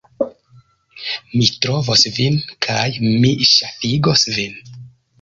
Mi trovos vin, kaj mi ŝafigos vin!